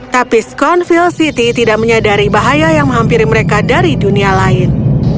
tapi skonfill city tidak menyadari bahaya yang menghampiri mereka dari dunia lain